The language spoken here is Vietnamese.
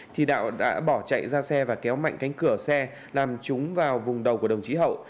thì đạo đã bỏ chạy ra xe và kéo mạnh cánh cửa xe làm chúng vào vùng đầu của đồng chí hậu